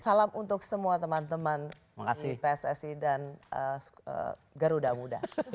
salam untuk semua teman teman di pssi dan garuda muda